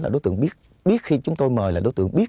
là đối tượng biết khi chúng tôi mời là đối tượng biết